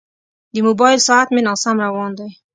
د موبایل ساعت مې ناسم روان دی.